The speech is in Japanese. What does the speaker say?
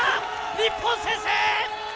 日本、先制！